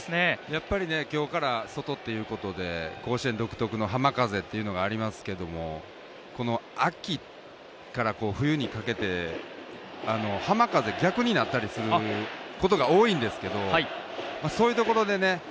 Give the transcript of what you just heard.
やっぱり今日から外ということで甲子園独特の浜風というのがありますけど秋から冬にかけて浜風、逆になったりすることが多いんですけどそういうところでね